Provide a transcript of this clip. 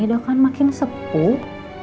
dah kan makin sepuh